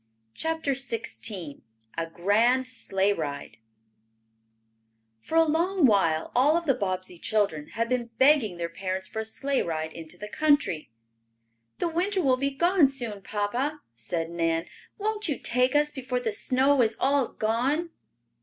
CHAPTER XVI A GRAND SLEIGH RIDE For a long while all of the Bobbsey children had been begging their parents for a sleigh ride into the country. "The winter will be gone soon, papa," said Nan. "Won't you take us before the snow is all gone?"